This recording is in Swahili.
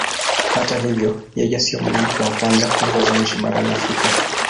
Hata hivyo yeye sio mwanamke wa kwanza kuongoza nchi barani Afrika.